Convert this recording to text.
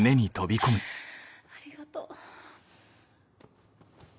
ありがとう。